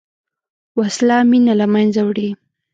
وسله مینه له منځه وړي